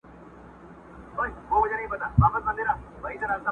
تا هم لوښی د روغن دی چپه کړی؟،